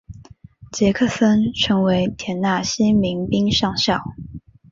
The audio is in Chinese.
杰克森成为田纳西民兵上校。